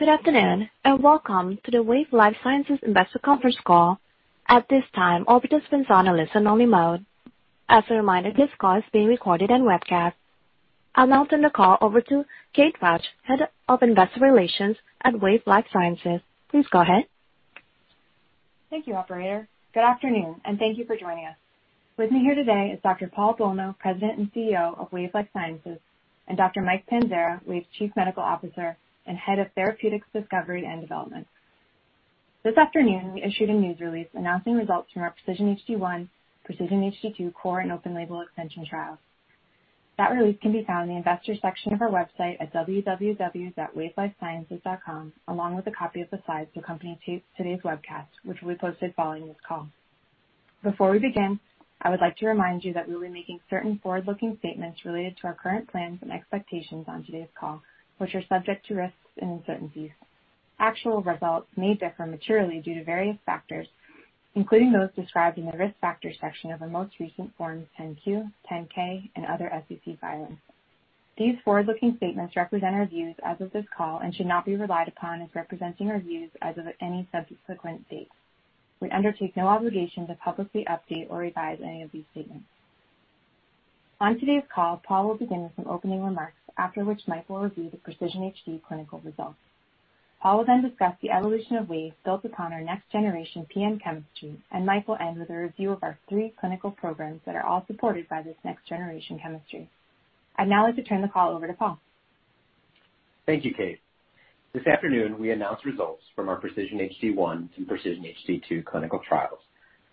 Good afternoon, and welcome to the Wave Life Sciences Investor Conference Call. At this time, all participants are on listen-only mode. As a reminder, this call is being recorded and webcast. I'll now turn the call over to Kate Rausch, Head of Investor Relations at Wave Life Sciences. Please go ahead. Thank you, operator. Good afternoon, and thank you for joining us. With me here today is Dr. Paul Bolno, President and CEO of Wave Life Sciences, and Dr. Mike Panzara, Wave's Chief Medical Officer and Head of Therapeutics Discovery and Development. This afternoon, we issued a news release announcing results from our PRECISION-HD1, PRECISION-HD2 core and open label extension trials. That release can be found in the Investors section of our website at www.wavelifesciences.com, along with a copy of the slides that accompany today's webcast, which will be posted following this call. Before we begin, I would like to remind you that we will be making certain forward-looking statements related to our current plans and expectations on today's call, which are subject to risks and uncertainties. Actual results may differ materially due to various factors, including those described in the Risk Factors section of our most recent Forms 10-Q, 10-K, and other SEC filings. These forward-looking statements represent our views as of this call and should not be relied upon as representing views as of any subsequent date. We undertake no obligation to publicly update or revise any of these statements. On today's call, Paul will begin with some opening remarks, after which Mike will review the PRECISION-HD clinical results. Paul will then discuss the evolution of Wave built upon our next generation PN chemistry, and Mike will end with a review of our three clinical programs that are all supported by this next generation chemistry. I'd now like to turn the call over to Paul. Thank you, Kate. This afternoon, we announced results from our PRECISION-HD1 and PRECISION-HD2 clinical trials,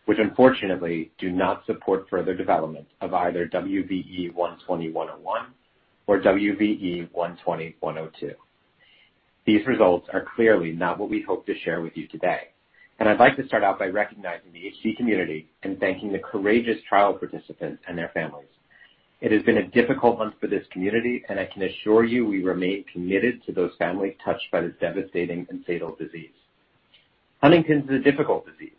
which unfortunately do not support further development of either WVE-120101 or WVE-120102. These results are clearly not what we hoped to share with you today, I'd like to start out by recognizing the HD community and thanking the courageous trial participants and their families. It has been a difficult month for this community, I can assure you we remain committed to those families touched by this devastating and fatal disease. Huntington's is a difficult disease,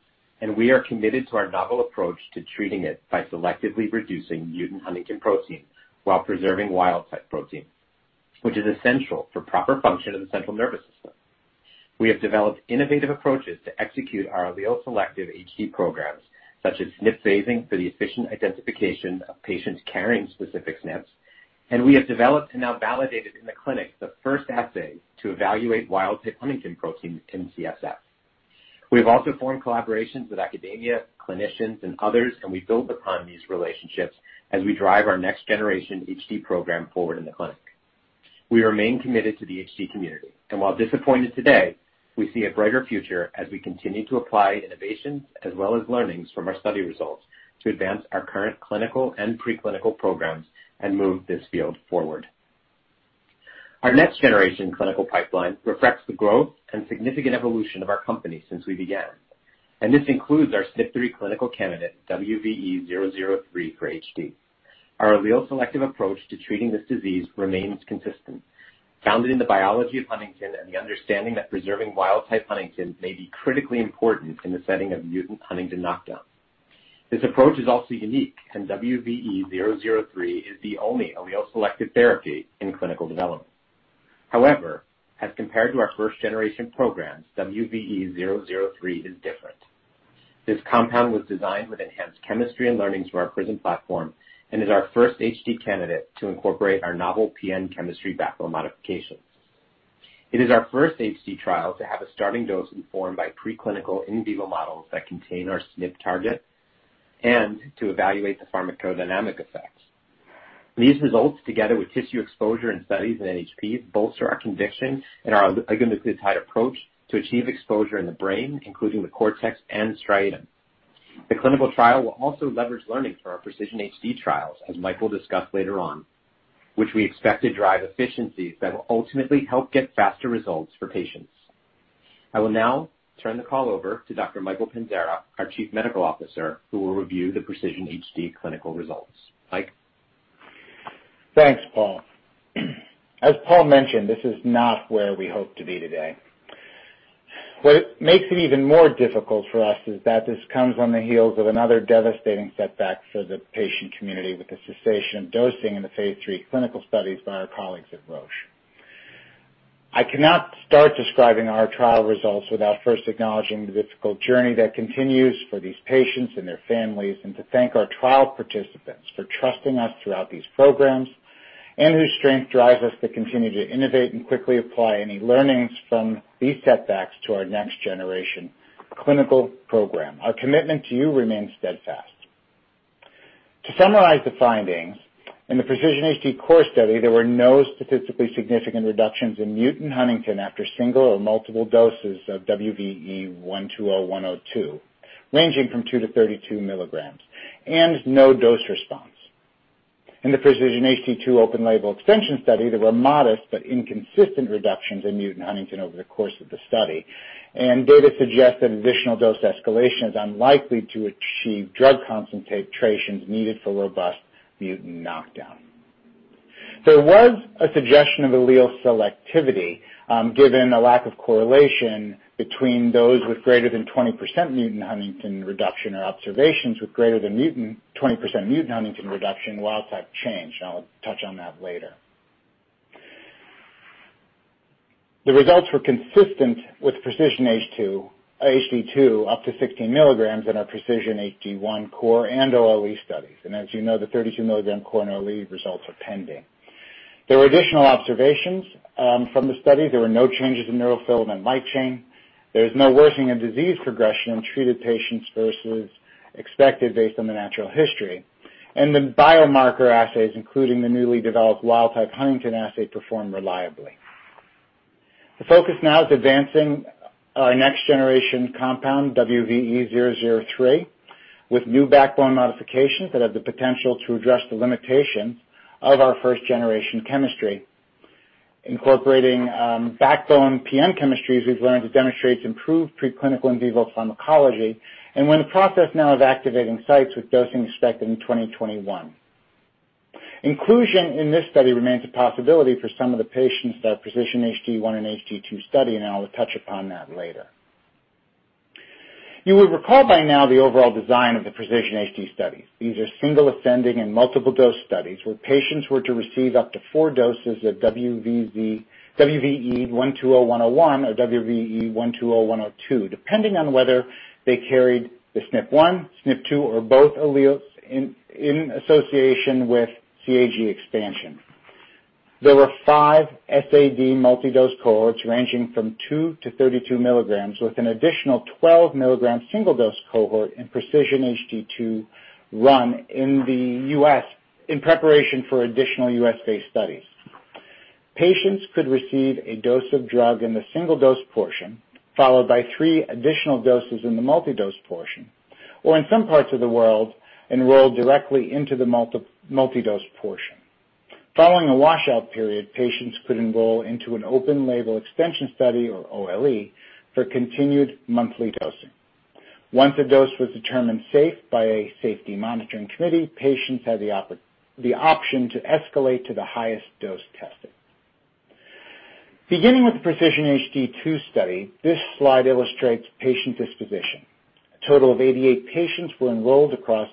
We are committed to our novel approach to treating it by selectively reducing mutant huntingtin protein while preserving wild-type protein, which is essential for proper function of the central nervous system. We have developed innovative approaches to execute our allele-selective HD programs, such as SNP phasing for the efficient identification of patients carrying specific SNPs, and we have developed and now validated in the clinic the first assay to evaluate wild-type huntingtin protein in CSF. We've also formed collaborations with academia, clinicians, and others, and we build upon these relationships as we drive our next-generation HD program forward in the clinic. We remain committed to the HD community, and while disappointed today, we see a brighter future as we continue to apply innovations as well as learnings from our study results to advance our current clinical and pre-clinical programs and move this field forward. Our next-generation clinical pipeline reflects the growth and significant evolution of our company since we began, and this includes our SNP3 clinical candidate, WVE-003 for HD. Our allele selective approach to treating this disease remains consistent, founded in the biology of huntingtin and the understanding that preserving wild-type huntingtin may be critically important in the setting of mutant huntingtin knockdown. This approach is also unique, and WVE-003 is the only allele selective therapy in clinical development. However, as compared to our first generation programs, WVE-003 is different. This compound was designed with enhanced chemistry and learnings from our PRISM platform and is our first HD candidate to incorporate our novel PN chemistry backbone modifications. It is our first HD trial to have a starting dose informed by pre-clinical in vivo models that contain our SNP target and to evaluate the pharmacodynamic effects. These results, together with tissue exposure in studies in NHPs, bolster our conviction in our oligonucleotide approach to achieve exposure in the brain, including the cortex and striatum. The clinical trial will also leverage learning from our PRECISION-HD trials, as Mike will discuss later on, which we expect to drive efficiencies that will ultimately help get faster results for patients. I will now turn the call over to Dr. Michael Panzara, our Chief Medical Officer, who will review the PRECISION-HD clinical results. Mike? Thanks, Paul. As Paul mentioned, this is not where we hoped to be today. What makes it even more difficult for us is that it comes on the heels of another devastating setback for the patient community with the cessation of dosing in the phase III clinical studies by our colleagues at Roche. I cannot start describing our trial results without first acknowledging the difficult journey that continues for these patients and their families, and to thank our trial participants for trusting us throughout these programs and whose strength drives us to continue to innovate and quickly apply any learnings from these setbacks to our next generation clinical program. Our commitment to you remains steadfast. To summarize the findings, in the PRECISION-HD core study, there were no statistically significant reductions in mutant huntingtin after single or multiple doses of WVE-120102, ranging from 2 mg-32 mg, and no dose response. In the PRECISION-HD2 open label extension study, there were modest but inconsistent reductions in mutant huntingtin over the course of the study, and data suggest that additional dose escalation is unlikely to achieve drug concentrations needed for robust mutant knockdown. There was a suggestion of allele selectivity, given a lack of correlation between those with greater than 20% mutant huntingtin reduction or observations with greater than 20% mutant huntingtin reduction wild type change. I'll touch on that later. The results were consistent with PRECISION-HD2 up to 16 mg in our PRECISION-HD1 CORE and allele studies. As you know, the 32 mg CORE and OLE results are pending. There were additional observations from the study. There were no changes in neurofilament light chain. There is no worsening of disease progression in treated patients versus expected based on the natural history. The biomarker assays, including the newly developed wild-type huntingtin assay, performed reliably. The focus now is advancing our next-generation compound, WVE-003, with new backbone modifications that have the potential to address the limitations of our first-generation chemistry. Incorporating backbone PN chemistries we've learned demonstrates improved preclinical in vivo pharmacology and we're in the process now of activating sites with dosing expected in 2021. Inclusion in this study remains a possibility for some of the patients in our PRECISION-HD1 and PRECISION-HD2 study, and I will touch upon that later. You will recall by now the overall design of the PRECISION-HD studies. These are single-ascending and multiple-dose studies where patients were to receive up to four doses of WVE-120101 or WVE-120102, depending on whether they carried the SNP1, SNP2, or both alleles in association with CAG expansion. There were 5 SAD multi-dose cohorts ranging from 2 mg-32 mg with an additional 12 mg single-dose cohort in PRECISION-HD2 run in the U.S. in preparation for additional U.S.-based studies. Patients could receive a dose of drug in the single-dose portion, followed by three additional doses in the multi-dose portion, or in some parts of the world, enroll directly into the multi-dose portion. Following a washout period, patients could enroll into an open label extension study, or OLE, for continued monthly dosing. Once a dose was determined safe by a safety monitoring committee, patients had the option to escalate to the highest dose tested. Beginning with the PRECISION-HD2 study, this slide illustrates patient disposition. A total of 88 patients were enrolled across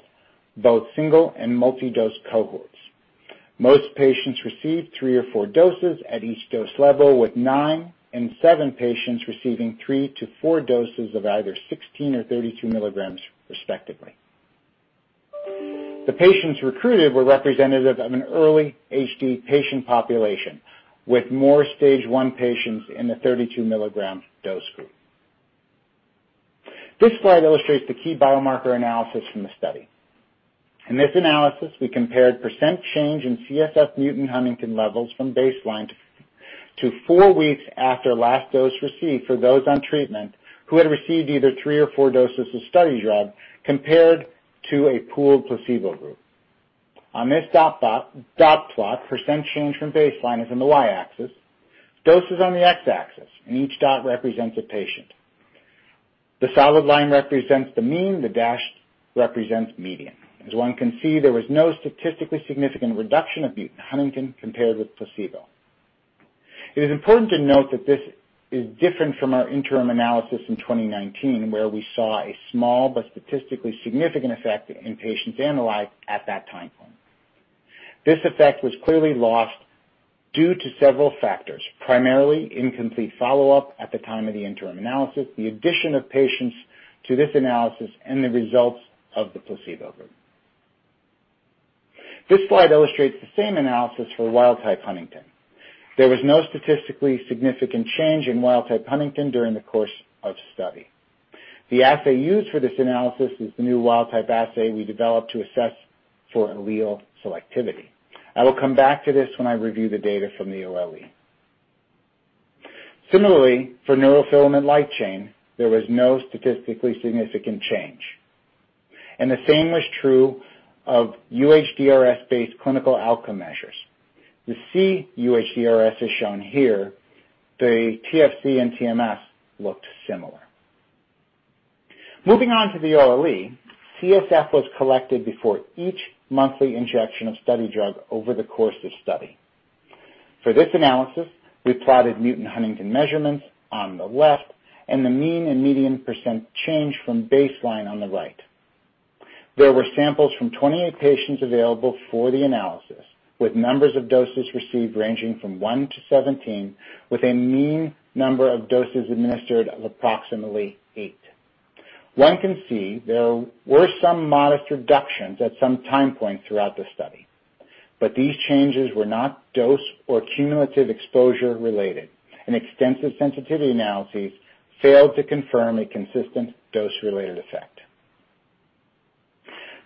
both single and multi-dose cohorts. Most patients received three or four doses at each dose level, with nine and seven patients receiving three to four doses of either 16 mg or 32 mg respectively. The patients recruited were representative of an early HD patient population, with more stage one patients in the 32 mg dose group. This slide illustrates the key biomarker analysis from the study. In this analysis, we compared percent change in CSF mutant huntingtin levels from baseline to four weeks after last dose received for those on treatment who had received either three or four doses of study drug compared to a pooled placebo group. On this dot plot, percent change from baseline is in the Y-axis, doses on the X-axis, and each dot represents a patient. The solid line represents the mean, the dash represents median. As one can see, there was no statistically significant reduction of mutant huntingtin compared with placebo. It is important to note that this is different from our interim analysis in 2019, where we saw a small but statistically significant effect in patients analyzed at that time point. This effect was clearly lost due to several factors, primarily incomplete follow-up at the time of the interim analysis, the addition of patients to this analysis, and the results of the placebo group. This slide illustrates the same analysis for wild-type huntingtin. There was no statistically significant change in wild-type huntingtin during the course of study. The assay used for this analysis is the new wild-type assay we developed to assess for allele selectivity. I will come back to this when I review the data from the OLE. Similarly, for neurofilament light chain, there was no statistically significant change, and the same was true of UHDRS-based clinical outcome measures. The cUHDRS is shown here. The TFC and TMS looked similar. Moving on to the OLE, CSF was collected before each monthly injection of study drug over the course of study. For this analysis, we plotted mutant huntingtin measurements on the left and the mean and median % change from baseline on the right. There were samples from 28 patients available for the analysis, with numbers of doses received ranging from 1-17, with a mean number of doses administered of approximately eight. One can see there were some modest reductions at some time points throughout the study, but these changes were not dose or cumulative exposure related, and extensive sensitivity analyses failed to confirm a consistent dose-related effect.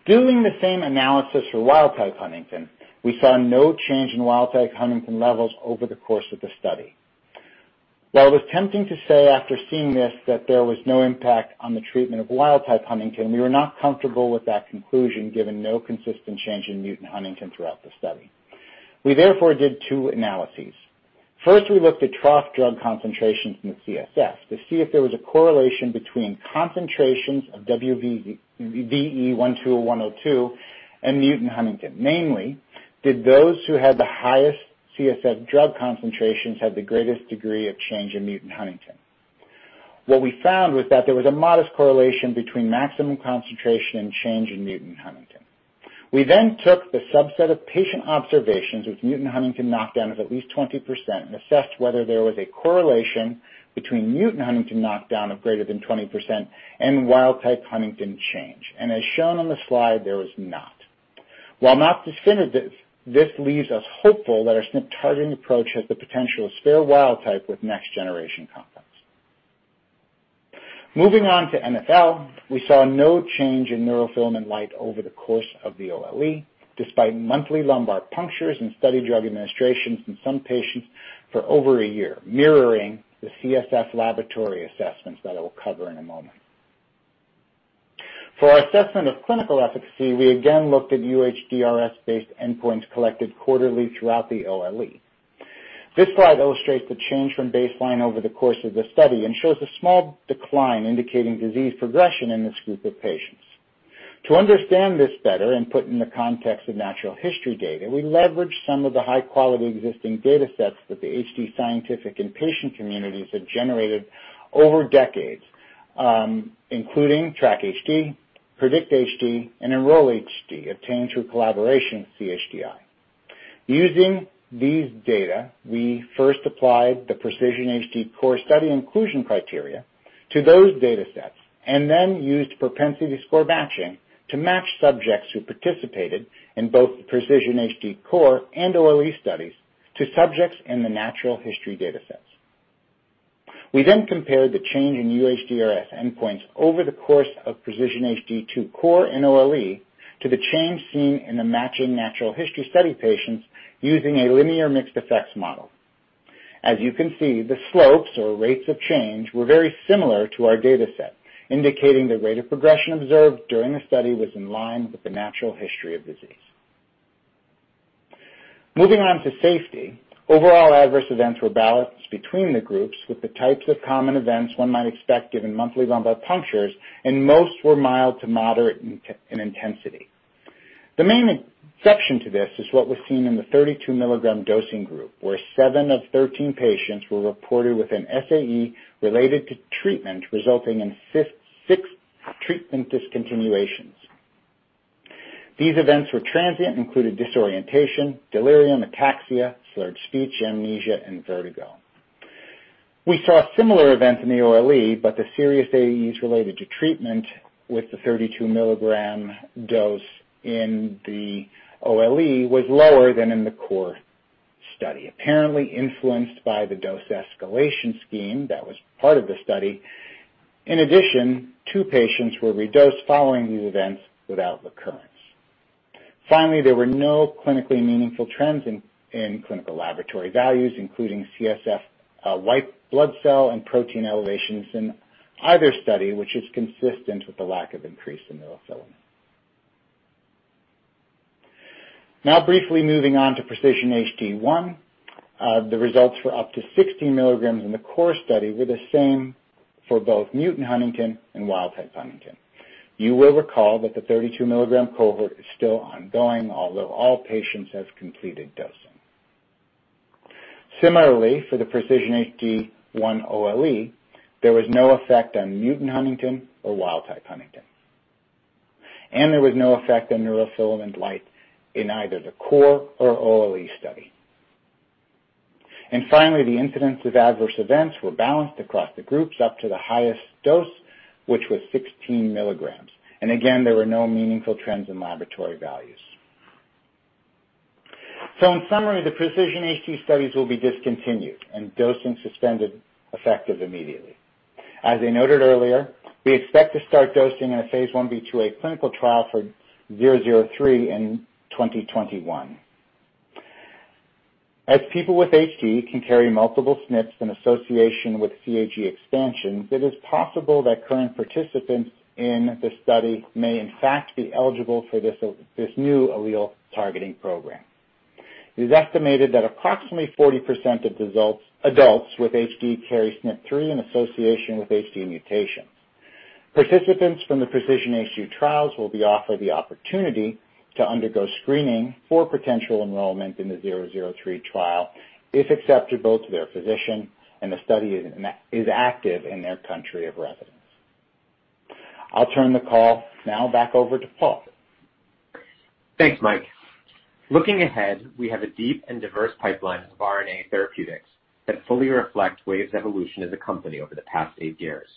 Doing the same analysis for wild-type huntingtin, we saw no change in wild-type huntingtin levels over the course of the study. While it was tempting to say after seeing this that there was no impact on the treatment of wild-type huntingtin, we were not comfortable with that conclusion given no consistent change in mutant huntingtin throughout the study. We therefore did two analyses. First, we looked at trough drug concentrations in the CSF to see if there was a correlation between concentrations of WVE-120102 and mutant huntingtin, namely, did those who had the highest CSF drug concentrations have the greatest degree of change in mutant huntingtin? What we found was that there was a modest correlation between maximum concentration and change in mutant huntingtin. We then took the subset of patient observations with mutant huntingtin knockdown of at least 20% and assessed whether there was a correlation between mutant huntingtin knockdown of greater than 20% and wild-type huntingtin change. As shown on the slide, there was not. While not definitive, this leaves us hopeful that our SNP targeting approach has the potential to spare wild type with next-generation compounds. Moving on to NfL, we saw no change in neurofilament light over the course of the OLE, despite monthly lumbar punctures and study drug administrations in some patients for over a year, mirroring the CSF laboratory assessments that I will cover in a moment. For our assessment of clinical efficacy, we again looked at UHDRS-based endpoints collected quarterly throughout the OLE. This slide illustrates the change from baseline over the course of the study and shows a small decline indicating disease progression in this group of patients. To understand this better and put it in the context of natural history data, we leveraged some of the high-quality existing data sets that the HD scientific and patient communities have generated over decades, including TRACK-HD, PREDICT-HD, and Enroll-HD, obtained through collaboration with CHDI. Using these data, we first applied the PRECISION-HD Core study inclusion criteria to those data sets and then used propensity score matching to match subjects who participated in both the PRECISION-HD Core and OLE studies to subjects in the natural history data sets. We then compared the change in UHDRS endpoints over the course of PRECISION-HD2 Core and OLE to the change seen in the matching natural history study patients using a linear mixed effects model. As you can see, the slopes or rates of change were very similar to our data set, indicating the rate of progression observed during the study was in line with the natural history of disease. Moving on to safety, overall adverse events were balanced between the groups with the types of common events one might expect given monthly lumbar punctures, and most were mild to moderate in intensity. The main exception to this is what was seen in the 32 mg dosing group, where seven of 13 patients were reported with an SAE related to treatment, resulting in six treatment discontinuations. These events were transient and included disorientation, delirium, ataxia, slurred speech, amnesia, and vertigo. We saw similar events in the OLE, but the serious SAEs related to treatment with the 32 mg dose in the OLE was lower than in the Core study, apparently influenced by the dose escalation scheme that was part of the study. In addition, two patients were redosed following these events without recurrence. Finally, there were no clinically meaningful trends in clinical laboratory values, including CSF, white blood cell, and protein elevations in either study, which is consistent with the lack of increase in neurofilament. Now briefly moving on to PRECISION-HD1, the results for up to 16 mg in the Core study were the same for both mutant huntingtin and wild type huntingtin. You will recall that the 32 mg cohort is still ongoing, although all patients have completed dosing. Similarly, for the PRECISION-HD1 OLE, there was no effect on mutant huntingtin or wild type huntingtin, and there was no effect on neurofilament light in either the Core or OLE study. Finally, the incidence of adverse events were balanced across the groups up to the highest dose, which was 16 mg. Again, there were no meaningful trends in laboratory values. In summary, the PRECISION-HD studies will be discontinued and dosing suspended effective immediately. As I noted earlier, we expect to start dosing in a phase I-B, II-A clinical trial for 003 in 2021. As people with HD can carry multiple SNPs in association with CAG expansion, it is possible that current participants in the study may in fact be eligible for this new OLE targeting program. It is estimated that approximately 40% of adults with HD carry SNP3 in association with HD mutation. Participants from the PRECISION-HD trials will be offered the opportunity to undergo screening for potential enrollment in the WVE-003 trial if acceptable to their physician and the study is active in their country of residence. I'll turn the call now back over to Paul. Thanks, Mike. Looking ahead, we have a deep and diverse pipeline of RNA therapeutics that fully reflect Wave's evolution as a company over the past eight years.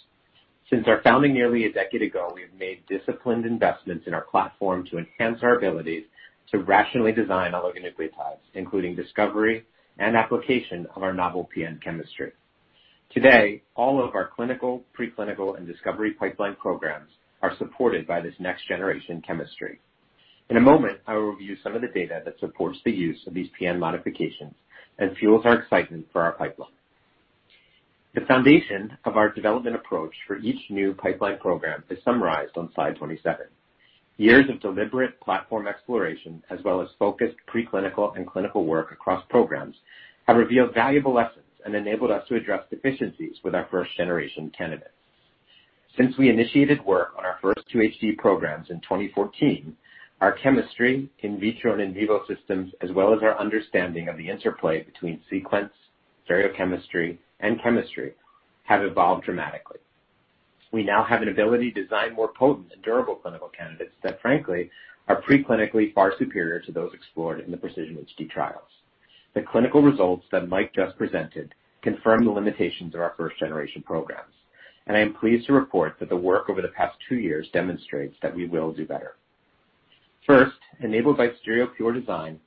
Since our founding nearly a decade ago, we have made disciplined investments in our platform to enhance our ability to rationally design oligonucleotides, including discovery and application of our novel PN chemistry. Today, all of our clinical, preclinical, and discovery pipeline programs are supported by this next-generation chemistry. In a moment, I will review some of the data that supports the use of these PN modifications and fuels our excitement for our pipeline. The foundation of our development approach for each new pipeline program is summarized on slide 27. Years of deliberate platform exploration, as well as focused preclinical and clinical work across programs, have revealed valuable lessons and enabled us to address deficiencies with our first-generation candidates. Since we initiated work on our first two HD programs in 2014, our chemistry, in vitro and in vivo systems, as well as our understanding of the interplay between sequence, stereochemistry, and chemistry, have evolved dramatically. We now have an ability to design more potent and durable clinical candidates that, frankly, are preclinically far superior to those explored in the PRECISION-HD trials. The clinical results that Mike just presented confirm the limitations of our first-generation programs, and I am pleased to report that the work over the past two years demonstrates that we will do better. First, enabled by Stereopure design,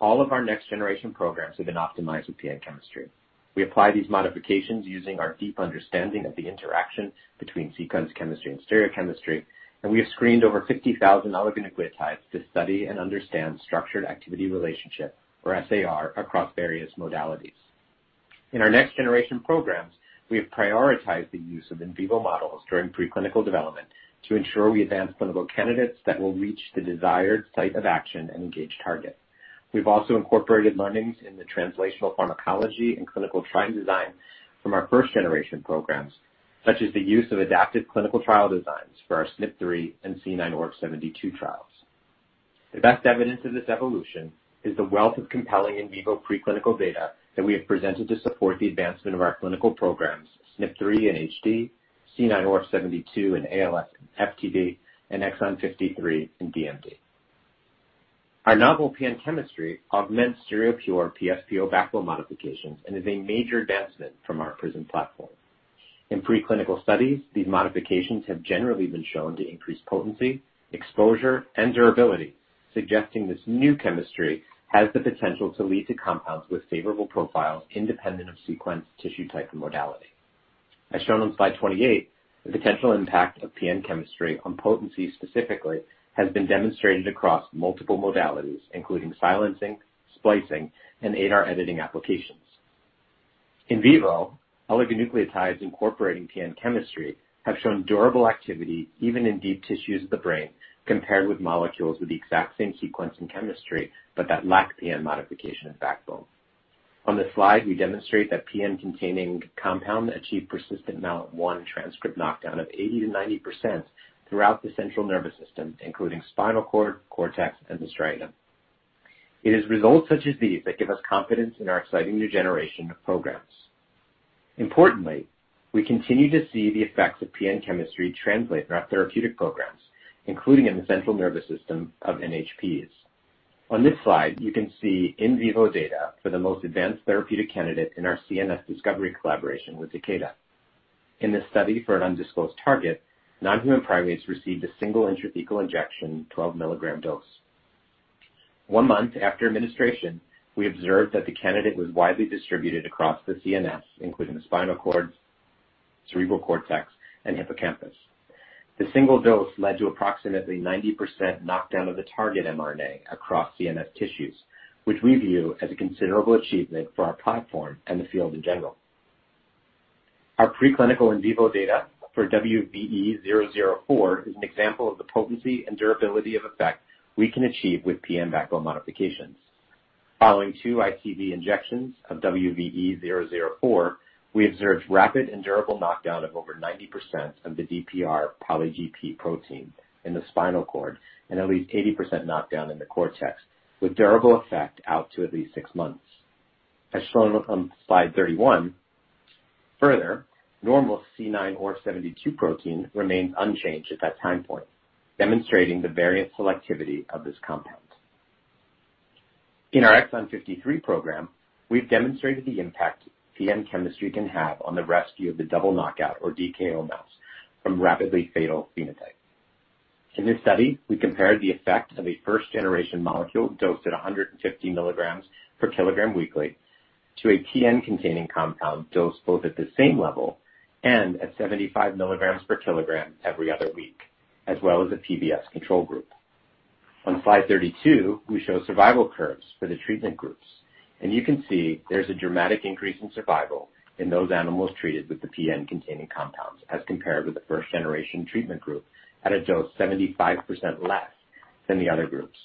all of our next-generation programs have been optimized with PN chemistry. We apply these modifications using our deep understanding of the interaction between sequence chemistry and stereochemistry, and we have screened over 50,000 oligonucleotides to study and understand structure-activity relationship, or SAR, across various modalities. In our next-generation programs, we have prioritized the use of in vivo models during pre-clinical development to ensure we advance clinical candidates that will reach the desired site of action and engage targets. We've also incorporated learnings in the translational pharmacology and clinical trial design from our first-generation programs, such as the use of adaptive clinical trial designs for our SNP3 and C9orf72 trials. The best evidence of this evolution is the wealth of compelling in vivo pre-clinical data that we have presented to support the advancement of our clinical programs, SNP3 in HD, C9orf72 in ALS and FTD, and Exon 53 in DMD. Our novel PN chemistry augments Stereopure PS/PO backbone modifications and is a major advancement from our PRISM platform. In pre-clinical studies, these modifications have generally been shown to increase potency, exposure, and durability, suggesting this new chemistry has the potential to lead to compounds with favorable profiles independent of sequence, tissue type, and modality. As shown on slide 28, the potential impact of PN chemistry on potency specifically has been demonstrated across multiple modalities, including silencing, splicing, and ADAR editing applications. In vivo, oligonucleotides incorporating PN chemistry have shown durable activity even in deep tissues of the brain, compared with molecules with the exact same sequence and chemistry but that lack PN modification of backbone. On this slide, we demonstrate that PN-containing compound achieved persistent MALAT1 transcript knockdown of 80%-90% throughout the central nervous system, including spinal cord, cortex, and the striatum. It is results such as these that give us confidence in our exciting new generation of programs. Importantly, we continue to see the effects of PN chemistry translate in our therapeutic programs, including in the central nervous system of NHPs. On this slide, you can see in vivo data for the most advanced therapeutic candidate in our CNS discovery collaboration with Takeda. In this study for an undisclosed target, non-human primates received a single intrathecal injection, 12 mg dose. One month after administration, we observed that the candidate was widely distributed across the CNS, including the spinal cord, cerebral cortex, and hippocampus. The single dose led to approximately 90% knockdown of the target mRNA across CNS tissues, which we view as a considerable achievement for our platform and the field in general. Our preclinical in vivo data for WVE-004 is an example of the potency and durability of effect we can achieve with PN backbone modifications. Following two ICV injections of WVE-004, we observed rapid and durable knockdown of over 90% of the DPR polyprotein in the spinal cord and at least 80% knockdown in the cortex, with durable effect out to at least six months. As shown on slide 31, further, normal C9orf72 protein remains unchanged at that time point, demonstrating the allele selectivity of this compound. In our Exon 53 program, we've demonstrated the impact PN chemistry can have on the rescue of the double knockout, or DKO, mouse from rapidly fatal phenotype. In this study, we compared the effect of a first-generation molecule dosed at 150 mg/kg weekly to a PN-containing compound dosed both at the same level and at 75 mg/kg every other week, as well as a PBS control group. On slide 32, we show survival curves for the treatment groups, and you can see there's a dramatic increase in survival in those animals treated with the PN-containing compounds as compared with the first-generation treatment group at a dose 75% less than the other groups.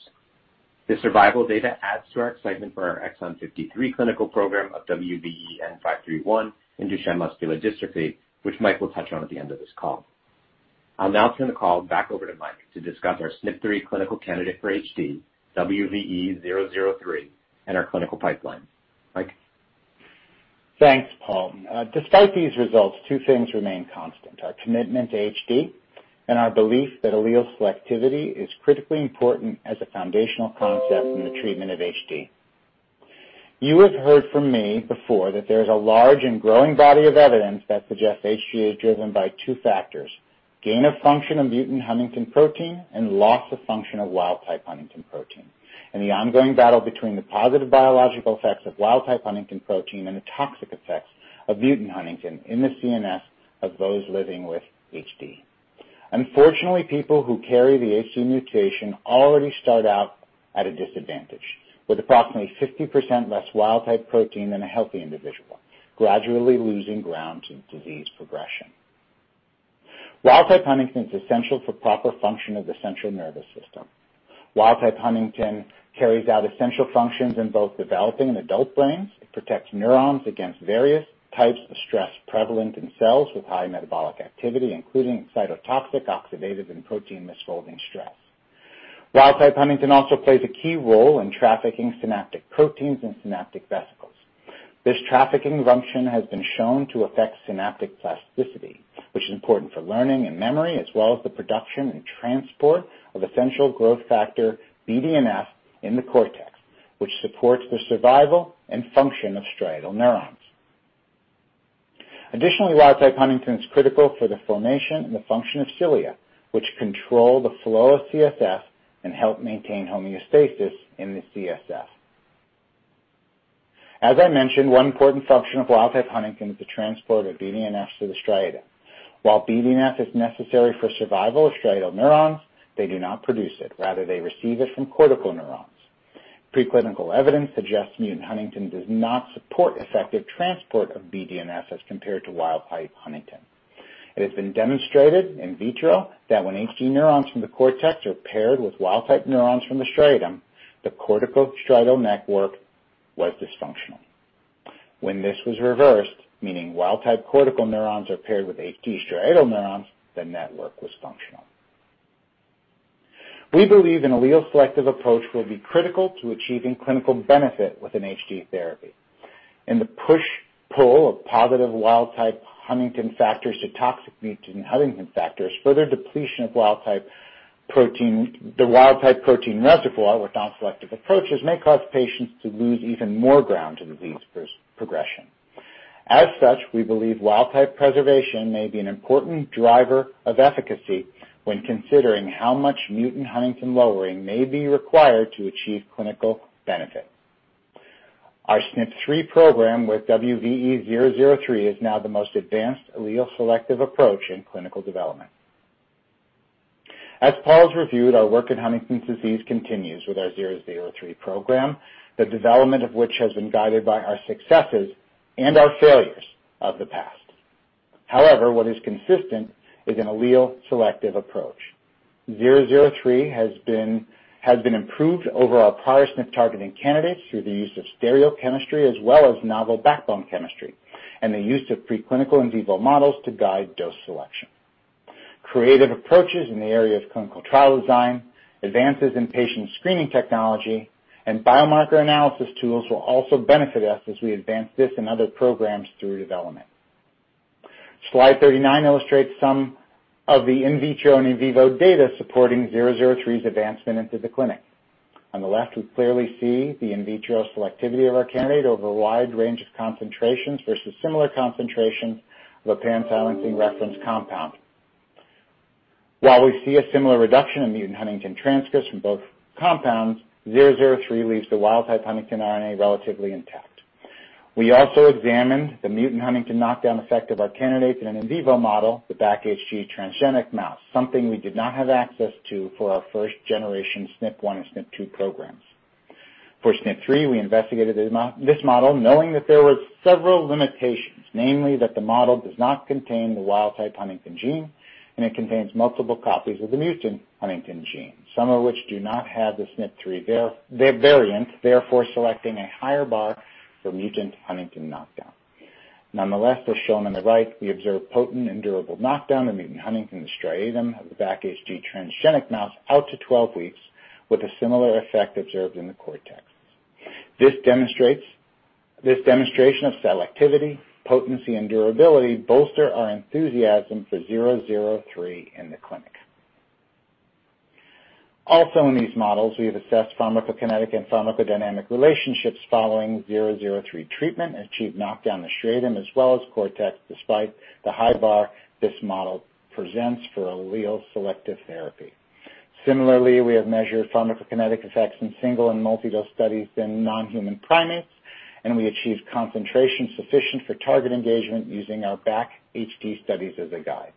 The survival data adds to our excitement for our Exon 53 clinical program of WVE-N531 in Duchenne muscular dystrophy, which Mike will touch on at the end of this call. I'll now turn the call back over to Mike to discuss our SNP3 clinical candidate for HD, WVE-003, and our clinical pipeline. Mike? Thanks, Paul. Despite these results, two things remain constant, our commitment to HD and our belief that allele selectivity is critically important as a foundational concept in the treatment of HD. You have heard from me before that there is a large and growing body of evidence that suggests HD is driven by two factors, gain of function of mutant huntingtin protein and loss of function of wild type huntingtin protein, and the ongoing battle between the positive biological effects of wild type huntingtin protein and the toxic effects of mutant huntingtin in the CNS of those living with HD. Unfortunately, people who carry the HD mutation already start out at a disadvantage, with approximately 50% less wild type protein than a healthy individual, gradually losing ground to disease progression. Wild-type huntingtin is essential for proper function of the central nervous system. Wild-type huntingtin carries out essential functions in both developing and adult brains. It protects neurons against various types of stress prevalent in cells with high metabolic activity, including cytotoxic, oxidative, and protein misfolding stress. Wild-type huntingtin also plays a key role in trafficking synaptic proteins and synaptic vesicles. This trafficking function has been shown to affect synaptic plasticity, which is important for learning and memory, as well as the production and transport of essential growth factor, BDNF, in the cortex, which supports the survival and function of striatal neurons. Additionally, wild-type huntingtin is critical for the formation and the function of cilia, which control the flow of CSF and help maintain homeostasis in the CSF. As I mentioned, one important function of wild-type huntingtin is the transport of BDNFs to the striatum. While BDNF is necessary for survival of striatal neurons, they do not produce it. Rather, they receive it from cortical neurons. Preclinical evidence suggests mutant huntingtin does not support effective transport of BDNFs as compared to wild-type huntingtin. It has been demonstrated in vitro that when HD neurons from the cortex are paired with wild-type neurons from the striatum, the cortico-striatal network was dysfunctional. When this was reversed, meaning wild-type cortical neurons are paired with HD striatal neurons, the network was functional. We believe an allele selective approach will be critical to achieving clinical benefit with an HD therapy. In the push/pull of positive wild-type huntingtin factors to toxic mutant huntingtin factors, further depletion of the wild-type protein reservoir with non-selective approaches may cause patients to lose even more ground to the disease progression. As such, we believe wild type preservation may be an important driver of efficacy when considering how much mutant huntingtin lowering may be required to achieve clinical benefit. Our SNP3 program with WVE-003 is now the most advanced allele selective approach in clinical development. As Paul's reviewed, our work in Huntington's disease continues with our 003 program, the development of which has been guided by our successes and our failures of the past. However, what is consistent is an allele selective approach. 003 has been improved over our prior SNP targeting candidates through the use of stereochemistry as well as novel backbone chemistry, and the use of preclinical in vivo models to guide dose selection. Creative approaches in the area of clinical trial design, advances in patient screening technology, and biomarker analysis tools will also benefit us as we advance this and other programs through development. Slide 39 illustrates some of the in vitro and in vivo data supporting WVE-003's advancement into the clinic. On the left, we clearly see the in vitro selectivity of our candidate over a wide range of concentrations versus similar concentrations of a pan-silencing reference compound. While we see a similar reduction in mutant huntingtin transcripts from both compounds, 003 leaves the wild-type huntingtin RNA relatively intact. We also examined the mutant huntingtin knockdown effect of our candidate in an in vivo model, the BACHD transgenic mouse, something we did not have access to for our first generation SNP1 and SNP2 programs. For SNP3, we investigated this model knowing that there were several limitations, namely that the model does not contain the wild-type huntingtin gene, and it contains multiple copies of the mutant huntingtin gene, some of which do not have the SNP3 variant, therefore selecting a higher bar for mutant huntingtin knockdown. Nonetheless, as shown on the right, we observe potent and durable knockdown of mutant huntingtin in the striatum of the BACHD transgenic mouse out to 12 weeks with a similar effect observed in the cortex. This demonstration of selectivity, potency, and durability bolster our enthusiasm for 003 in the clinic. Also in these models, we have assessed pharmacokinetic and pharmacodynamic relationships following 003 treatment and achieved knockdown in the striatum as well as cortex, despite the high bar this model presents for allele selective therapy. Similarly, we have measured pharmacokinetic effects in single and multi-dose studies in non-human primates, and we achieved concentration sufficient for target engagement using our BACHD studies as a guide.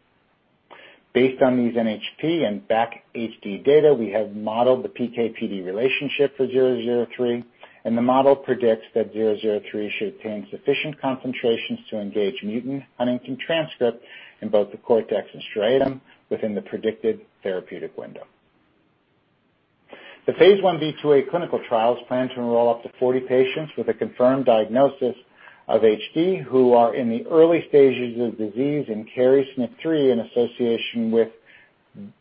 Based on these NHP and BAC HD data, we have modeled the PK/PD relationship for 003, and the model predicts that 003 should obtain sufficient concentrations to engage mutant huntingtin transcript in both the cortex and striatum within the predicted therapeutic window. The phase I-B, II-A clinical trial is planned to enroll up to 40 patients with a confirmed diagnosis of HD who are in the early stages of disease and carry SNP3 in association with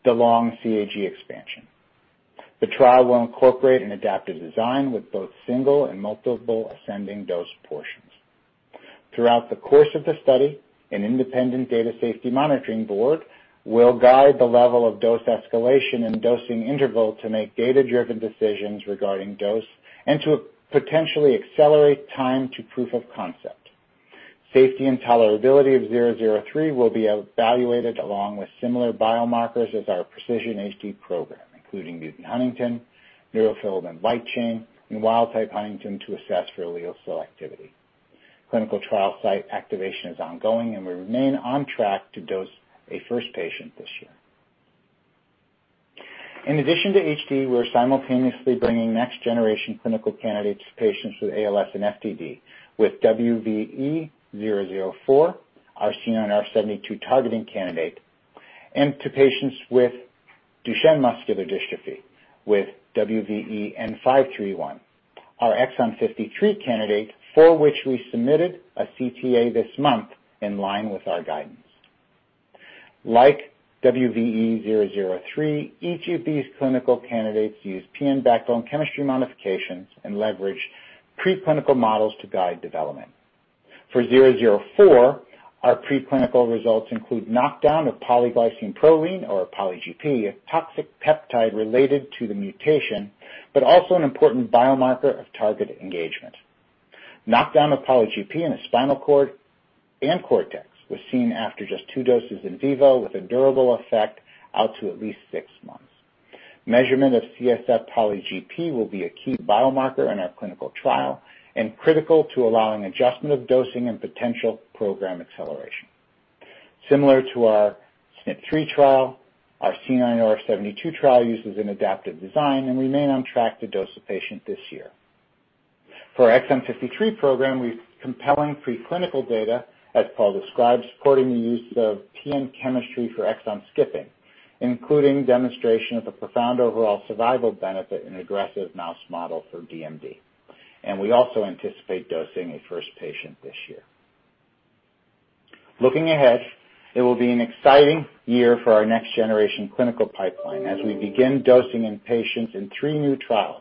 the long CAG expansion. The trial will incorporate an adaptive design with both single and multiple ascending dose portions. Throughout the course of the study, an independent data safety monitoring board will guide the level of dose escalation and dosing interval to make data-driven decisions regarding dose and to potentially accelerate time to proof of concept. Safety and tolerability of 003 will be evaluated along with similar biomarkers as our PRECISION-HD program, including mutant huntingtin, neurofilament light chain, and wild-type huntingtin to assess for allele selectivity. Clinical trial site activation is ongoing, and we remain on track to dose a first patient this year. In addition to HD, we're simultaneously bringing next-generation clinical candidates to patients with ALS and FTD with WVE-004, our C9orf72 targeting candidate, and to patients with Duchenne muscular dystrophy with WVE-N531, our Exon 53 candidate, for which we submitted a CTA this month in line with our guidance. Like WVE-003, each of these clinical candidates use PN backbone chemistry modifications and leverage preclinical models to guide development. For 004, our preclinical results include knockdown of polyglycine-proline, or polyGP, a toxic peptide related to the mutation, but also an important biomarker of target engagement. Knockdown of polyGP in the spinal cord and cortex was seen after just two doses in vivo, with a durable effect out to at least six months. Measurement of CSF polyGP will be a key biomarker in our clinical trial and critical to allowing adjustment of dosing and potential program acceleration. Similar to our SNP3 trial, our C9orf72 trial uses an adaptive design, and we remain on track to dose a patient this year. For our exon 53 program, we've compelling preclinical data, as Paul described, supporting the use of PN chemistry for exon skipping, including demonstration of a profound overall survival benefit in aggressive mouse model for DMD. We also anticipate dosing a first patient this year. Looking ahead, it will be an exciting year for our next-generation clinical pipeline as we begin dosing in patients in three new trials.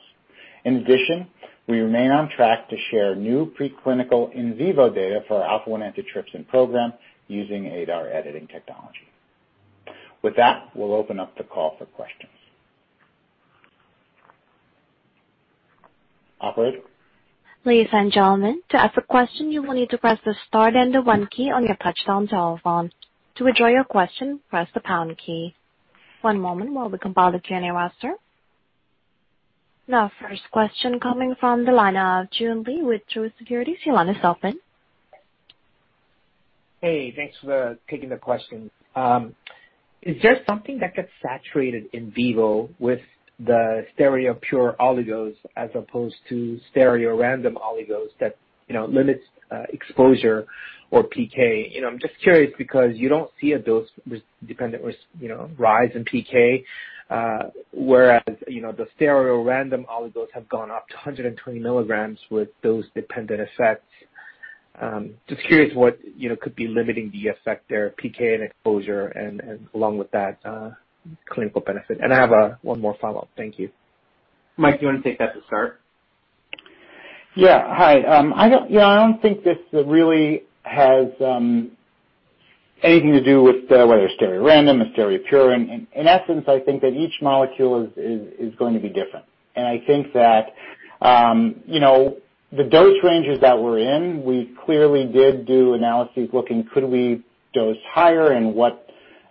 In addition, we remain on track to share new preclinical in vivo data for our alpha-1 antitrypsin program using ADAR editing technology. With that, we'll open up the call for questions. Operator? Ladies and gentlemen, to ask a question, you will need to press the star then the one key on your touch-tone telephone. To withdraw your question, press the pound key. One moment while we compile the Q&A roster. Now first question coming from the line of Joon Lee with Truist Securities. Your line is open. Hey, thanks for taking the question. Is there something that gets saturated in vivo with the stereopure oligos as opposed to stereorandom oligos that limits exposure or PK? I'm just curious because you don't see a dose-dependent rise in PK, whereas the stereorandom oligos have gone up to 120 mg with dose-dependent effects. Just curious what could be limiting the effect there, PK and exposure and along with that, clinical benefit. I have one more follow-up. Thank you. Mike, do you want to take that to start? Yeah. Hi. I don't think this really has anything to do with whether stereorandom or stereopure. In essence, I think that each molecule is going to be different. I think that the dose ranges that we're in, we clearly did do analyses looking could we dose higher and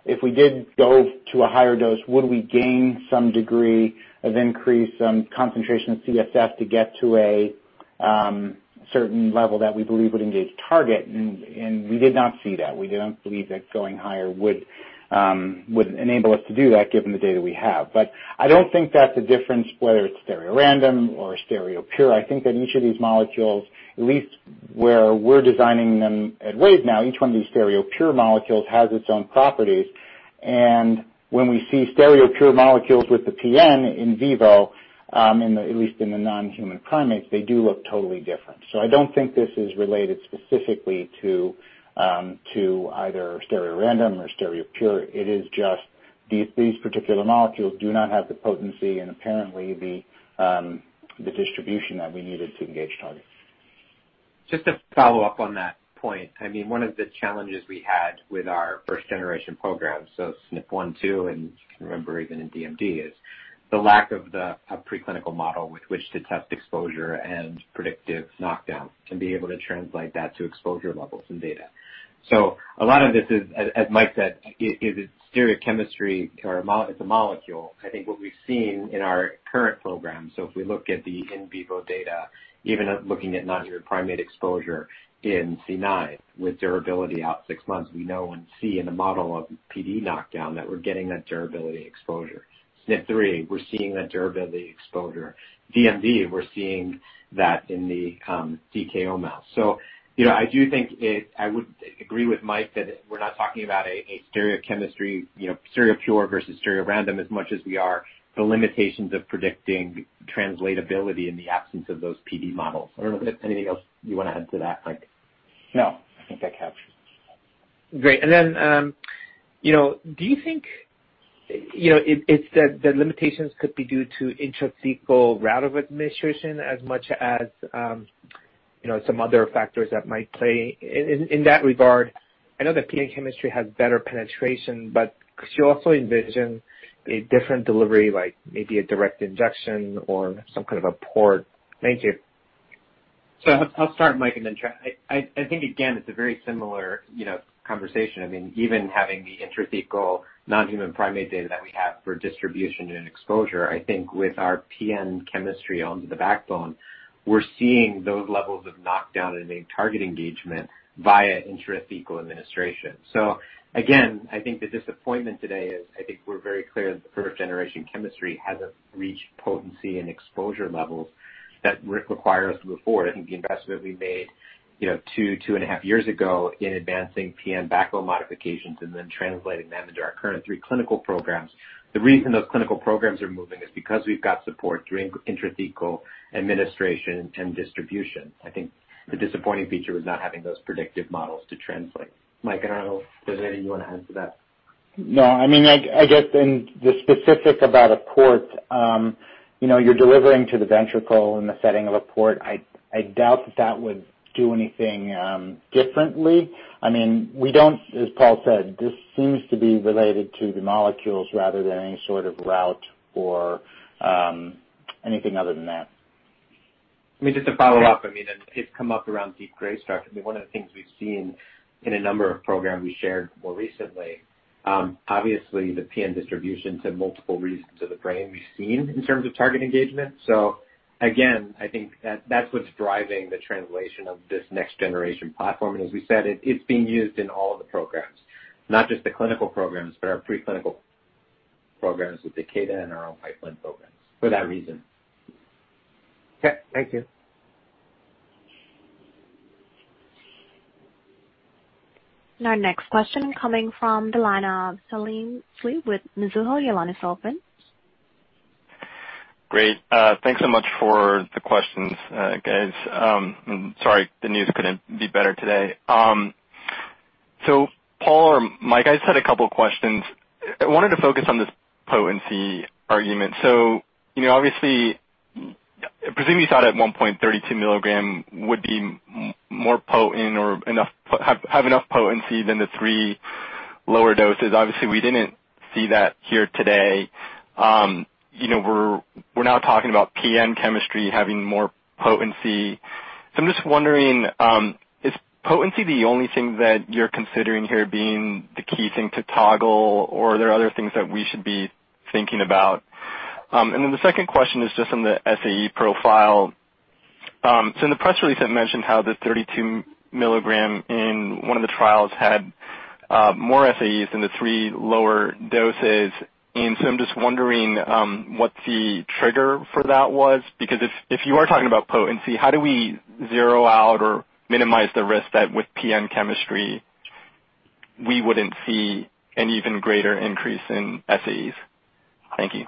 if we did go to a higher dose, would we gain some degree of increase, some concentration of CSF to get to a certain level that we believe would engage target? We did not see that. We don't believe that going higher would enable us to do that given the data we have. I don't think that's a difference whether it's stereorandom or stereopure. I think that each of these molecules, at least where we're designing them at Wave now, each one of these stereopure molecules has its own properties. When we see stereopure molecules with the PN in vivo, at least in the non-human primates, they do look totally different. I don't think this is related specifically to either stereorandom or stereopure. It is just these particular molecules do not have the potency and apparently the distribution that we needed to engage targets. Just to follow up on that point. One of the challenges we had with our first-generation program, so SNP1, SNP2, and you can remember even in DMD, is the lack of the preclinical model with which to test exposure and predictive knockdown to be able to translate that to exposure levels and data. A lot of this is, as Mike said, is it stereochemistry or it's a molecule. I think what we've seen in our current program, if we look at the in vivo data, even looking at non-human primate exposure in C9 with durability out six months, we know and see in the model of PD knockdown that we're getting that durability exposure. SNP3, we're seeing that durability exposure. DMD, we're seeing that in the DKO mouse. I do think I would agree with Mike that we're not talking about a stereochemistry, stereopure versus stereorandom as much as we are the limitations of predicting translatability in the absence of those PD models. I don't know if there's anything else you want to add to that, Mike. No, I think that captures it. Great. Then, do you think it's that the limitations could be due to intrathecal route of administration as much as some other factors that might play in that regard? I know that PN chemistry has better penetration, but could you also envision a different delivery, like maybe a direct injection or some kind of a port? Thank you. I'll start, Mike, and then try. I think, again, it's a very similar conversation. Even having the intrathecal non-human primate data that we have for distribution and exposure, I think with our PN chemistry on the backbone, we're seeing those levels of knockdown and in target engagement via intrathecal administration. Again, I think the disappointment today is, I think we're very clear that the first-generation chemistry hasn't reached potency and exposure levels that require us to move forward. I think the investment we made two and a half years ago in advancing PN backbone modifications and then translating them into our current three clinical programs, the reason those clinical programs are moving is because we've got support through intrathecal administration and distribution. I think the disappointing feature was not having those predictive models to translate. Mike, I don't know if there's anything you want to add to that. No. I guess in the specific about a port, you're delivering to the ventricle in the setting of a port. I doubt that that would do anything differently. As Paul said, this seems to be related to the molecules rather than any sort of route or anything other than that. Just to follow up, it's come up around deep gray structure. One of the things we've seen in a number of programs we shared more recently, obviously the PN distribution to multiple regions of the brain we've seen in terms of target engagement. Again, I think that's what's driving the translation of this next-generation platform. As we said, it's being used in all of the programs, not just the clinical programs, but our preclinical programs with Takeda and our own pipeline programs for that reason. Okay. Thank you. Our next question coming from the line of Salim Syed with Mizuho. Your line is open. Great. Thanks so much for the questions, guys. Sorry the news couldn't be better today. Paul or Mike, I just had a couple questions. I wanted to focus on this potency argument. Obviously, presumably you thought at 1.32 mg would be more potent or have enough potency than the three lower doses. Obviously, we didn't see that here today. We're now talking about PN chemistry having more potency. I'm just wondering, is potency the only thing that you're considering here being the key thing to toggle, or are there other things that we should be thinking about? The second question is just on the SAE profile. In the press release, it mentioned how the 32 mg in one of the trials had more SAEs than the three lower doses. I'm just wondering what the trigger for that was. If you are talking about potency, how do we zero out or minimize the risk that with PN chemistry we wouldn't see an even greater increase in SAEs? Thank you.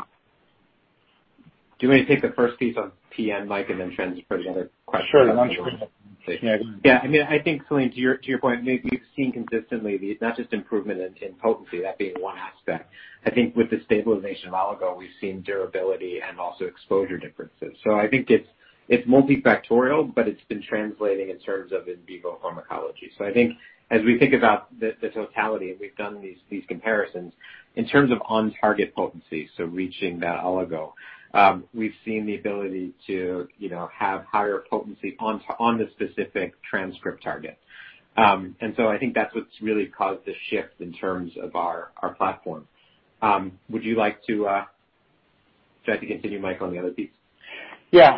Do you want me to take the first piece on PN, Mike, and then transition for the other question? Sure. Why don't you take it? Yeah, go ahead. Yeah. I think, Salim, to your point, we've seen consistently not just improvement in potency, that being one aspect. I think with the stabilization of oligo, we've seen durability and also exposure differences. I think it's multifactorial, but it's been translating in terms of in vivo pharmacology. I think as we think about the totality, and we've done these comparisons in terms of on-target potency, so reaching that oligo, we've seen the ability to have higher potency on the specific transcript target. I think that's what's really caused the shift in terms of our platform. Would you like to continue, Mike, on the other piece? Yeah.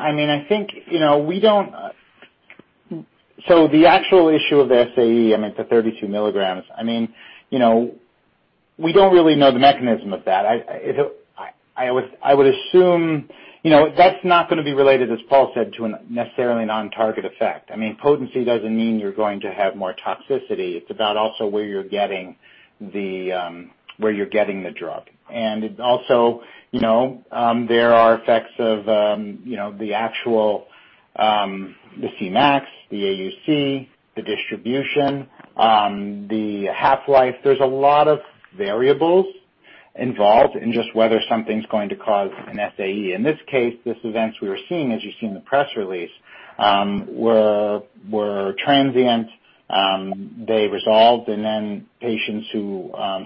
The actual issue of SAE, the 32 mg, we don't really know the mechanism of that. I would assume that's not going to be related, as Paul said, to necessarily an on-target effect. Potency doesn't mean you're going to have more toxicity. It's about also where you're getting the drug. Also, there are effects of the actual Cmax, the AUC, the distribution, the half-life. There's a lot of variables involved in just whether something's going to cause an SAE. In this case, these events we were seeing, as you see in the press release, were transient. They resolved and then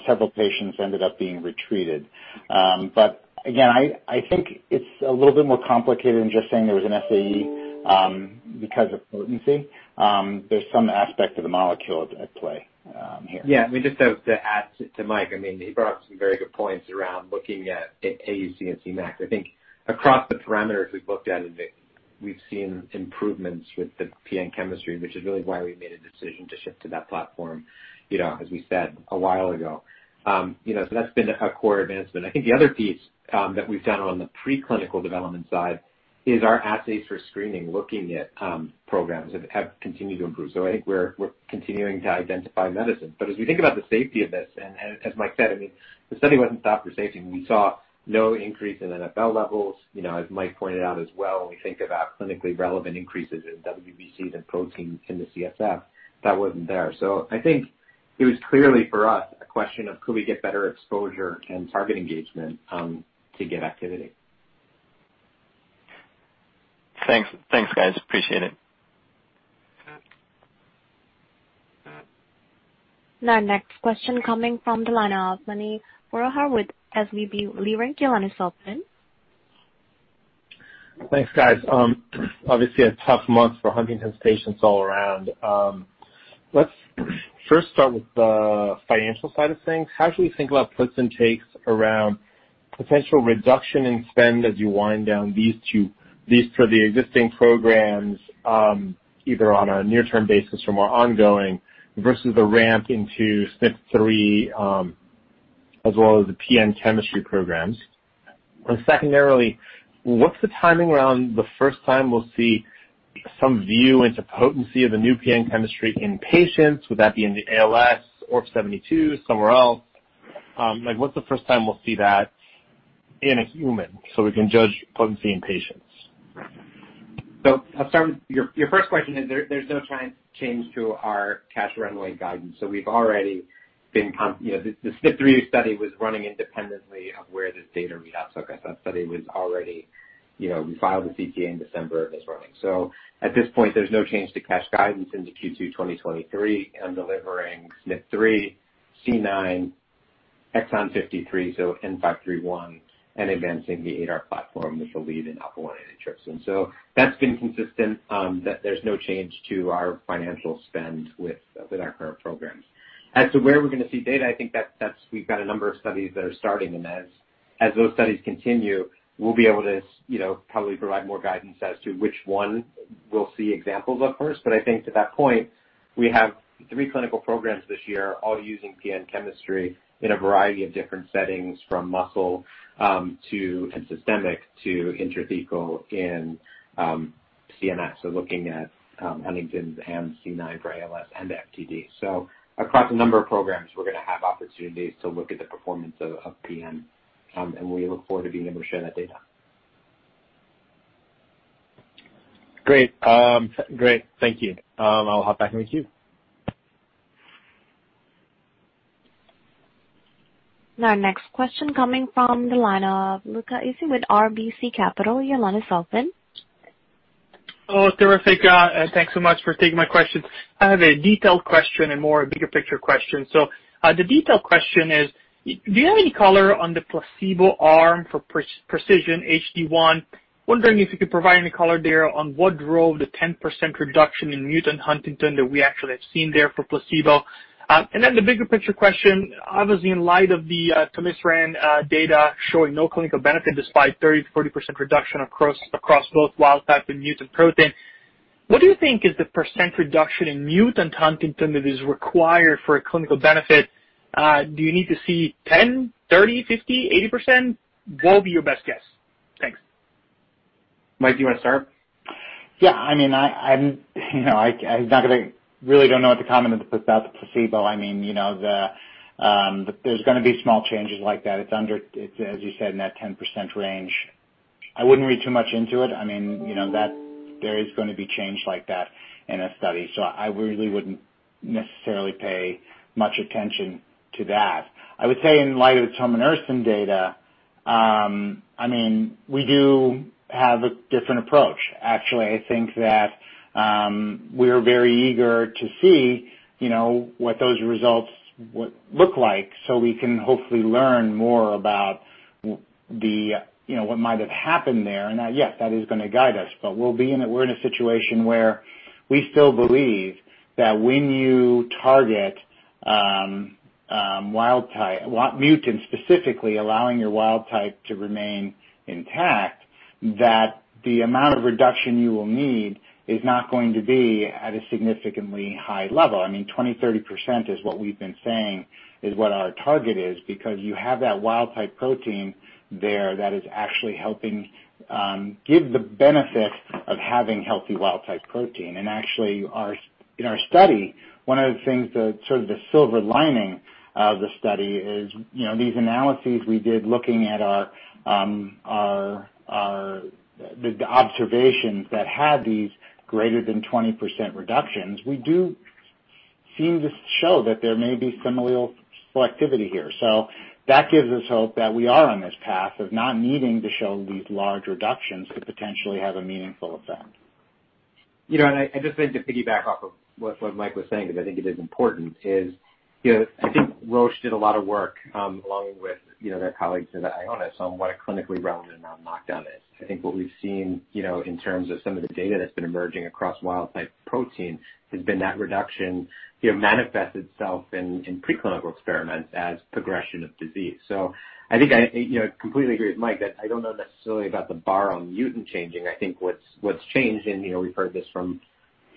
several patients ended up being retreated. Again, I think it's a little bit more complicated than just saying there was an SAE because of potency. There's some aspect of the molecule at play here. Yeah. Just to add to Mike, he brought up some very good points around looking at AUC and Cmax. I think across the parameters we've looked at, we've seen improvements with the PN chemistry, which is really why we made a decision to shift to that platform, as we said a while ago. That's been a core advancement. I think the other piece that we've done on the preclinical development side is our assays for screening, looking at programs have continued to improve. I think we're continuing to identify medicines. As we think about the safety of this, and as Mike said, the study wasn't stopped for safety. We saw no increase in NFL levels. As Mike pointed out as well, when we think about clinically relevant increases in WBCs and protein in the CSF, that wasn't there. I think it was clearly for us a question of could we get better exposure and target engagement to get activity. Thanks, guys. Appreciate it. Okay. Now next question coming from the line of Mani Foroohar with SVB Leerink. Your line is open. Thanks, guys. Obviously a tough month for Huntington's patients all around. Let's first start with the financial side of things. How should we think about puts and takes around potential reduction in spend as you wind down these two, these for the existing programs, either on a near-term basis from our ongoing versus the ramp into SNP3, as well as the PN chemistry programs. Secondarily, what's the timing around the first time we'll see some view into potency of the new PN chemistry in patients? Would that be in the ALS, C9orf72, somewhere else? When's the first time we'll see that in a human so we can judge potency in patients? I'll start with your first question. There's no change to our cash runway guidance. The SNP3 study was running independently of where this data readout took us. That study was already running. We filed the CTA in December. It was running. At this point, there's no change to cash guidance into Q2 2023 on delivering SNP3, C9, Exon 53, N531, and advancing the ADAR platform with the lead in alpha-1 antitrypsin. That's been consistent. There's no change to our financial spend with our current programs. As to where we're going to see data, I think we've got a number of studies that are starting, and as those studies continue, we'll be able to probably provide more guidance as to which one we'll see examples of first. I think at that point, we have three clinical programs this year all using PN chemistry in a variety of different settings, from muscle, and systemic, to intrathecal in CNS. Looking at Huntington's and C9 for ALS and FTD. Across a number of programs, we're going to have opportunities to look at the performance of PN. We look forward to being able to share that data. Great. Thank you. I'll hop back in the queue. Now next question coming from the line of Luca Issi with RBC Capital. Your line is open. Oh, terrific. Thanks so much for taking my questions. I have a detailed question and more bigger picture question. The detailed question is, do you have any color on the placebo arm for PRECISION-HD1? Wondering if you could provide any color there on what drove the 10% reduction in mutant huntingtin that we actually have seen there for placebo. The bigger picture question, obviously in light of the tominersen data showing no clinical benefit despite 30%-40% reduction across both wild type and mutant protein, what do you think is the percent reduction in mutant huntingtin that is required for a clinical benefit? Do you need to see 10%, 30%, 50%, 80%? What would be your best guess? Thanks. Mike, do you want to start? Yeah, I really don't know what to comment about the placebo. There's going to be small changes like that. It's under, as you said, in that 10% range. I wouldn't read too much into it. There is going to be change like that in a study. I really wouldn't necessarily pay much attention to that. I would say in light of the tominersen data, we do have a different approach. Actually, I think that we're very eager to see what those results would look like so we can hopefully learn more about what might have happened there. Yes, that is going to guide us. We're in a situation where we still believe that when you target mutants specifically, allowing your wild type to remain intact, that the amount of reduction you will need is not going to be at a significantly high level. 20%, 30% is what we've been saying is what our target is because you have that wild type protein there that is actually helping give the benefit of having healthy wild type protein. Actually, in our study, one of the things that's sort of the silver lining of the study is these analyses we did looking at the observations that had these greater than 20% reductions. We do seem to show that there may be some allele selectivity here. That gives us hope that we are on this path of not needing to show these large reductions to potentially have a meaningful effect. I'd just like to piggyback off of what Mike was saying, because I think it is important is, I think Roche did a lot of work, along with their colleagues at Ionis on what a clinically relevant knockdown is. I think what we've seen in terms of some of the data that's been emerging across wild type protein has been that reduction, manifests itself in preclinical experiments as progression of disease. I think I completely agree with Mike that I don't know necessarily about the bar on mutant changing. I think what's changed, and we've heard this from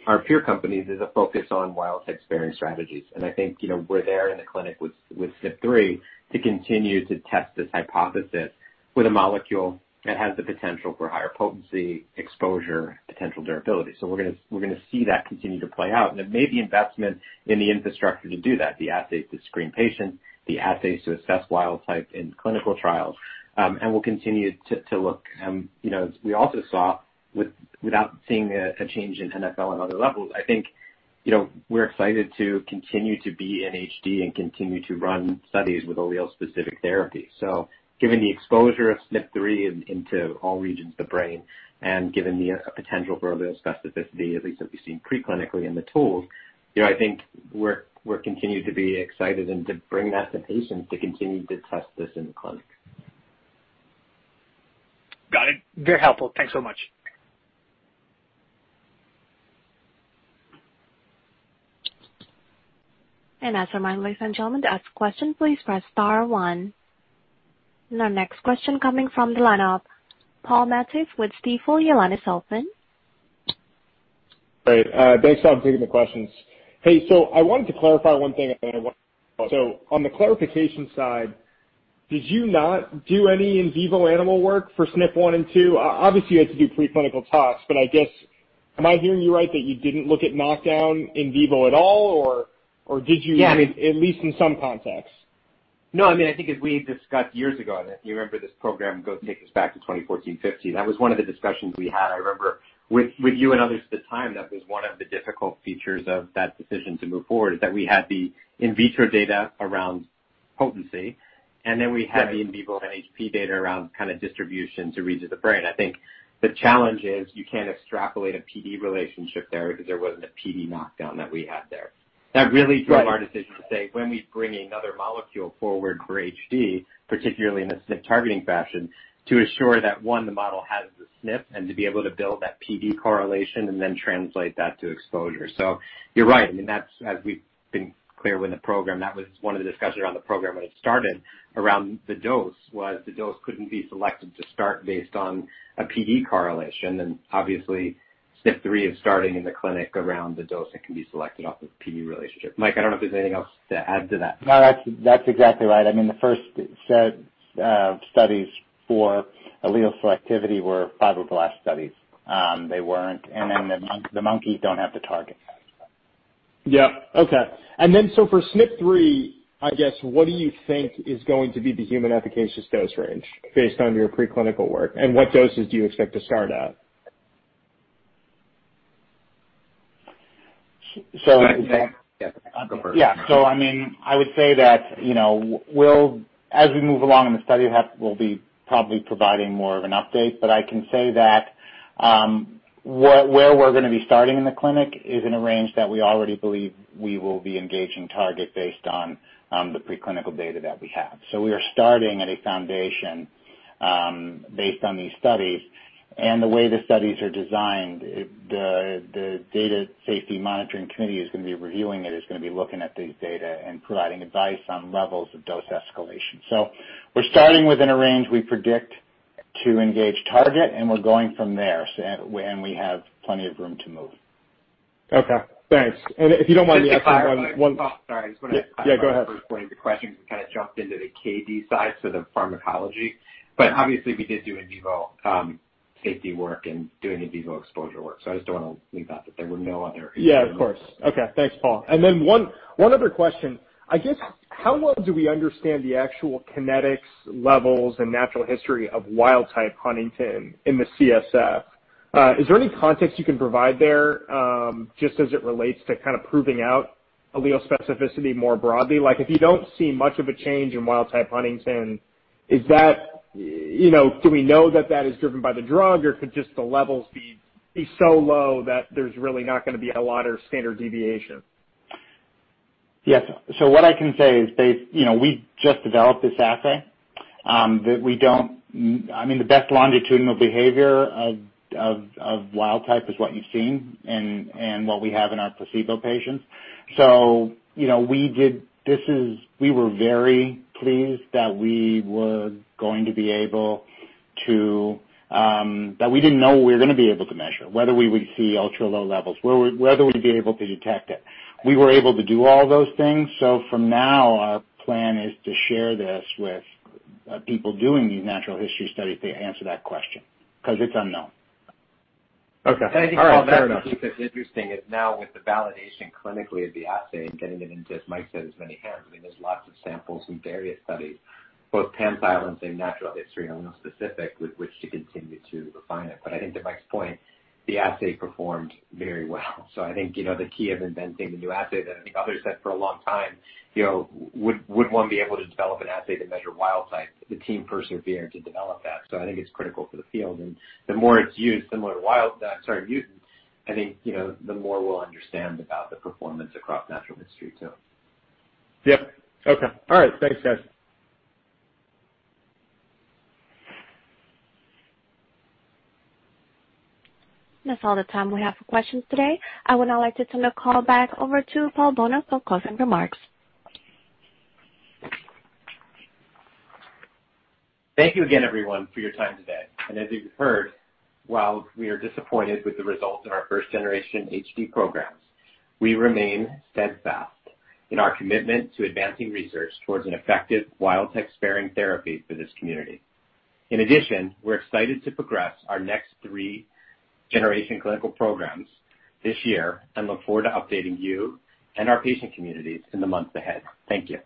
our peer companies, is a focus on wild type sparing strategies. I think, we're there in the clinic with SNP3 to continue to test this hypothesis with a molecule that has the potential for higher potency, exposure, potential durability. We're going to see that continue to play out. It may be investment in the infrastructure to do that, the assays to screen patients, the assays to assess wild type in clinical trials. We'll continue to look. We also saw without seeing a change in NFL and other levels, I think, we're excited to continue to be in HD and continue to run studies with allele-specific therapy. Given the exposure of SNP3 into all regions of the brain and given the potential for allele specificity, at least what we've seen preclinically in the tools, I think we'll continue to be excited and to bring that to patients to continue to test this in the clinic. Got it. Very helpful. Thanks so much. As a reminder, ladies and gentlemen, to ask a question, please press star one. Our next question coming from the lineup, Paul Matteis with Stifel. Your line is open. Great. Thanks for taking the questions. Hey, I wanted to clarify one thing. On the clarification side, did you not do any in vivo animal work for SNP1 and SNP2? Obviously, you had to do preclinical tox, but I guess, am I hearing you right that you didn't look at knockdown in vivo at all? Yeah at least in some context? No, I think as we discussed years ago, if you remember this program takes us back to 2014, 2015. That was one of the discussions we had, I remember with you and others at the time, that was one of the difficult features of that decision to move forward, is that we had the in vitro data around potency, and then we had Right the in vivo NHP data around distribution to regions of the brain. I think the challenge is you can't extrapolate a PD relationship there because there wasn't a PD knockdown that we had there. Right. That really drove our decision to say when we bring another molecule forward for HD, particularly in a SNP targeting fashion, to assure that, one, the model has the SNP, and to be able to build that PD correlation and then translate that to exposure. You're right. As we've been clear with the program, that was one of the discussions around the program when it started around the dose, was the dose couldn't be selected to start based on a PD correlation. Obviously SNP3 is starting in the clinic around the dose that can be selected off of the PD relationship. Mike, I don't know if there's anything else to add to that. No, that's exactly right. The first set of studies for allele selectivity were fibroblast studies. They weren't. The monkeys don't have the target. Yeah. Okay. For SNP3, I guess, what do you think is going to be the human efficacious dose range based on your preclinical work, and what doses do you expect to start at? I would say that as we move along in the study we'll be probably providing more of an update. I can say that where we're going to be starting in the clinic is in a range that we already believe we will be engaging target based on the preclinical data that we have. We are starting at a foundation based on these studies. The way the studies are designed, the data safety monitoring committee is going to be reviewing it, is going to be looking at these data and providing advice on levels of dose escalation. We're starting within a range we predict to engage target, and we're going from there, and we have plenty of room to move. Okay, thanks. If you don't mind me asking. Sorry, I just want to. Yeah, go ahead. First point of the question, we kind of jumped into the KD side, so the pharmacology. Obviously we did do in vivo safety work and do in vivo exposure work. I just don't want to leave out that there were no other- Yeah, of course. Okay, thanks, Paul. One other question. I guess how well do we understand the actual kinetics levels and natural history of wild type huntingtin in the CSF? Is there any context you can provide there, just as it relates to proving out allele specificity more broadly? If you don't see much of a change in wild type huntingtin, do we know that that is driven by the drug, or could just the levels be so low that there's really not going to be a lot of standard deviation? Yes. What I can say is we just developed this assay. The best longitudinal behavior of wild type is what you've seen and what we have in our placebo patients. We were very pleased that we didn't know what we were going to be able to measure, whether we would see ultra low levels, whether we'd be able to detect it. We were able to do all those things. For now, our plan is to share this with people doing these natural history studies to answer that question, because it's unknown. Okay. All right. Fair enough. What's interesting is now with the validation clinically of the assay and getting it into, as Mike said, as many hands, there's lots of samples in various studies, both pan-silencing, natural history and specific with which to continue to refine it. I think to Mike's point, the assay performed very well. I think the key of inventing the new assay that I think others said for a long time, would one be able to develop an assay to measure wild type? The team persevered to develop that. I think it's critical for the field. The more it's used similar to mutants, I think the more we'll understand about the performance across natural history, too. Yep. Okay. All right. Thanks, guys. That's all the time we have for questions today. I would now like to turn the call back over to Paul Bolno for closing remarks. Thank you again, everyone, for your time today. As you've heard, while we are disappointed with the results in our first generation HD programs, we remain steadfast in our commitment to advancing research towards an effective wild type sparing therapy for this community. In addition, we're excited to progress our next three generation clinical programs this year and look forward to updating you and our patient communities in the months ahead. Thank you.